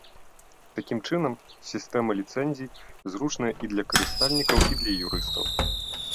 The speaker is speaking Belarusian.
Такім чынам, сістэма ліцэнзій зручная і для карыстальнікаў, і для юрыстаў.